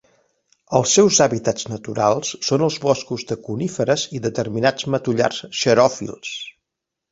Els seus hàbitats naturals són els boscos de coníferes i determinats matollars xeròfils.